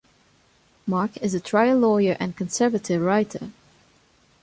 Mark is a trial lawyer and conservative writer.